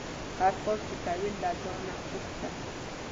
هر کار چې کوې له ځانه پوښته